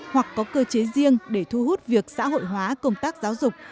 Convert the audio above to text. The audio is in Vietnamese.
hoặc có cơ chế riêng để thu hút việc xã hội hóa công tác giáo dục